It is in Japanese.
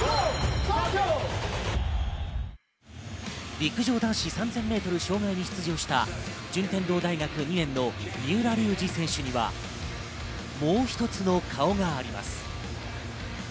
陸上男子３０００ｍ障害に出場した順天堂大学２年の三浦龍司選手にはもう一つの顔があります。